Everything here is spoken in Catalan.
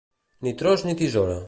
Ni tros ni tisora.